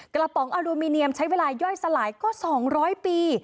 กระป๋องอลูมิเนียมใช้เวลาย่อยสลายก็๒๐๐ปี